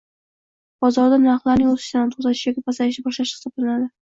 Bozorida narxlarning oʻsishdan toʻxtatishi yoki pasayishni boshlashi hisoblanadi.